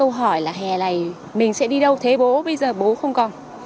và epic tiếp tục nói là hè này mình sẽ đi đâu thế bố bây giờ bố không còn